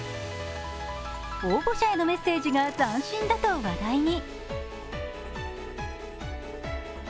応募者へのメッセージが斬新だと話題に。